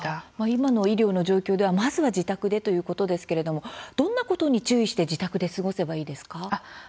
今の医療の状況ではまずは自宅でということですけれどもどんなことに注意して自宅で過ごせばいいですか。